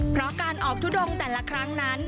เพราะการออกทุดงแต่ละครั้งนั้น